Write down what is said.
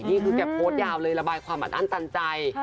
นี่คือแกโพสต์ยาวเลยระบายความอัดอั้นตันใจ